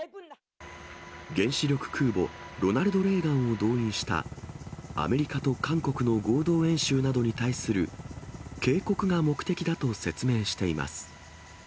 原子力空母ロナルド・レーガンを動員したアメリカと韓国の合同演習などに対する警告が目的だと説明しています。